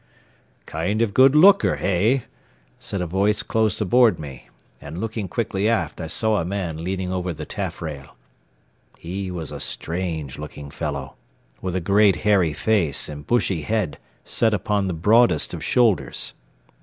"Kind o' good hooker, hey?" said a voice close aboard me, and looking quickly aft I saw a man leaning over the taffrail. He was a strange looking fellow, with a great hairy face and bushy head set upon the broadest of shoulders.